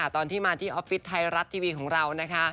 ตอนที่มาที่ออฟฟิศไทยรัฐทีวีของเรานะคะ